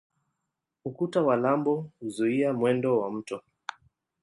Ukuta wa lambo huzuia mwendo wa mto.